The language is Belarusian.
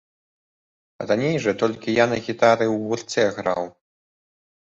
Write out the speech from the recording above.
Раней жа толькі я на гітары ў гурце граў.